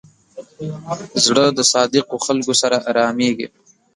زړه د صادقو خلکو سره آرامېږي.